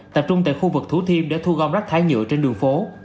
tập trung tại khu vực thú thiêm để thu gom rác thái nhựa trên đường phố